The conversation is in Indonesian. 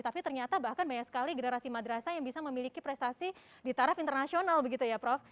tapi ternyata bahkan banyak sekali generasi madrasah yang bisa memiliki prestasi di taraf internasional begitu ya prof